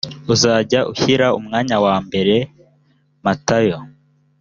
uzajya ushyira mu mwanya wa mbere matayo